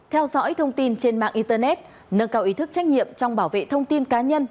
theo dõi thông tin trên mạng internet nâng cao ý thức trách nhiệm trong bảo vệ thông tin cá nhân